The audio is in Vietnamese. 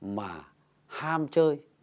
mà ham chơi